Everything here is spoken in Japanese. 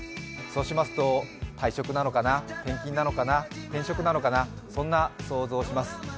そうしますと退職なのかな転勤なのかな、転職なのかなとそんな想像をします。